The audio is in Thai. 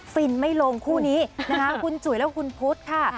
ฟินไม่ลงคู่นี้นะคะคุณจุ๋ยและคุณพุทธค่ะ